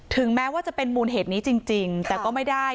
แม้ว่าจะเป็นมูลเหตุนี้จริงแต่ก็ไม่ได้